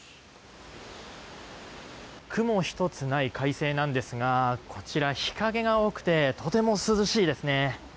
雲一つない快晴なんですがこちら日影が多くてとても涼しいですね。